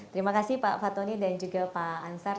terima kasih pak fatoni dan juga pak ansar